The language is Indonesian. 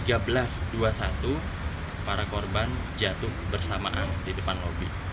kemudian enam belas tiga belas dua puluh satu para korban jatuh bersamaan di depan lobi